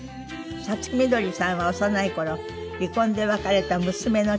五月みどりさんは幼い頃離婚で別れた娘の千恵さんと。